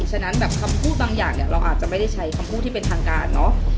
ฉะนั้นแบบคำพูดบางอย่างเนี่ยเราอาจจะไม่ได้ใช้คำพูดที่เป็นทางการเนอะ